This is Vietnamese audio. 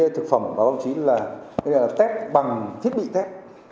thực phẩm báo chí là test bằng thiết bị tép